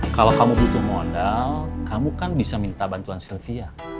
kalau kamu butuh modal kamu kan bisa minta bantuan sylvia